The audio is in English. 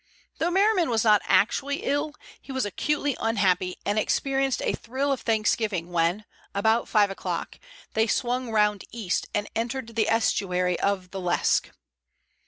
Though Merriman was not actually ill, he was acutely unhappy and experienced a thrill of thanksgiving when, about five o'clock, they swung round east and entered the estuary of the Lesque.